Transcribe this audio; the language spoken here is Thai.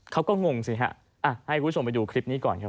งงสิฮะให้คุณผู้ชมไปดูคลิปนี้ก่อนครับ